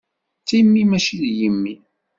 S timmi mačči s yimi.